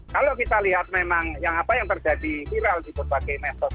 kalau kita lihat memang apa yang terjadi viral di berbagai metode